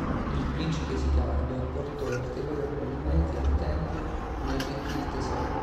Il principe Sicardo apportò ulteriori abbellimenti al tempio e ne arricchì il tesoro.